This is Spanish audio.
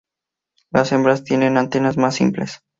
Las hembras tienen antenas más simples.